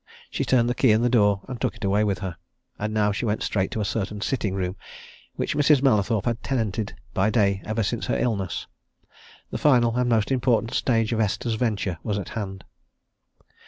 She turned the key in the door and took it away with her. And now she went straight to a certain sitting room which Mrs. Mallathorpe had tenanted by day ever since her illness. The final and most important stage of Esther's venture was at hand.